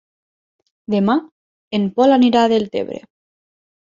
Demà en Pol anirà a Deltebre.